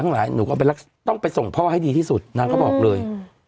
หลายหนูก็ต้องไปส่งพ่อให้ดีที่สุดนางก็บอกเลย